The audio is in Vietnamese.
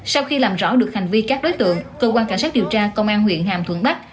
sau khi làm rõ được hành vi các đối tượng cơ quan cảnh sát điều tra công an huyện hàm thuận bắc